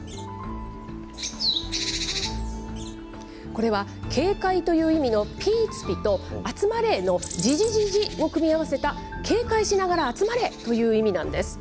これは警戒という意味のピーツピと、集まれのヂヂヂヂを組み合わせた、警戒しながら集まれという意味なんです。